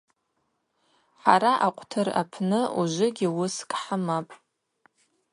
Хӏара акъвтыр апны ужвыгьи уыскӏ хӏымапӏ.